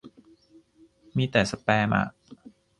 มีแต่สแปมอ่ะ